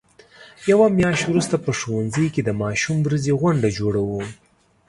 یوه میاشت وروسته په ښوونځي کې د ماشوم ورځې غونډه جوړو.